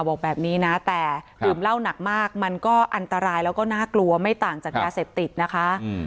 บอกแบบนี้นะแต่ดื่มเหล้าหนักมากมันก็อันตรายแล้วก็น่ากลัวไม่ต่างจากยาเสพติดนะคะ